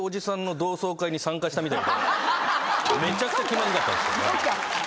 したみたいでめちゃくちゃ気まずかったんですよ。